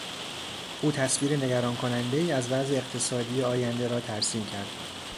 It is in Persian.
او تصویر نگران کنندهای از وضع اقتصادی آینده را ترسیم کرد.